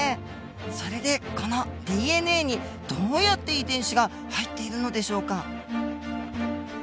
それでこのＤＮＡにどうやって遺伝子が入っているのでしょうか？